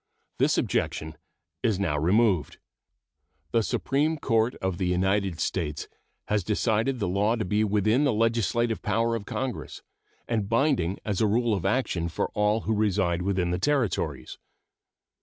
This objection is now removed. The Supreme Court of the United States has decided the law to be within the legislative power of Congress and binding as a rule of action for all who reside within the Territories.